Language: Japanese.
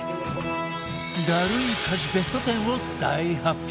ダルい家事ベスト１０を大発表